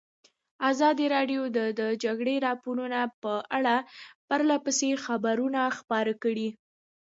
ازادي راډیو د د جګړې راپورونه په اړه پرله پسې خبرونه خپاره کړي.